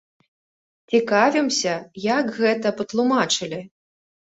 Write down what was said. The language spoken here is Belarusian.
Цікавімся, як гэта патлумачылі.